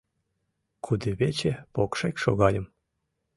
Кудывече покшек шогальым